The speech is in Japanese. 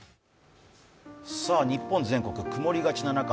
日本全国曇りがちななか